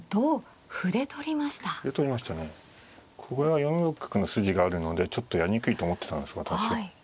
これは４六角の筋があるのでちょっとやりにくいと思ってたんです私は。